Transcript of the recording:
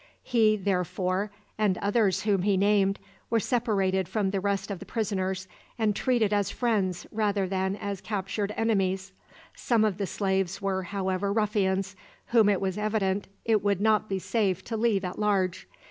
He, therefore, and others whom he named, were separated from the rest of the prisoners, and treated as friends rather than as captured enemies. Some of the slaves were, however, ruffians, whom it was evident it would not be safe to leave at large.